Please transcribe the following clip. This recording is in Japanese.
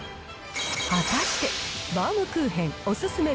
果たして、バウムクーヘンおすすめ